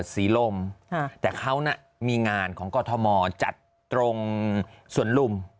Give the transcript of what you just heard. ศรีลมแต่เขาน่ะมีงานของกรทมจัดตรงสวนลุม